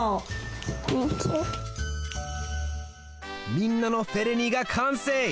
みんなのフェレニがかんせい！